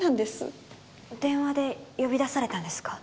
電話で呼び出されたんですか？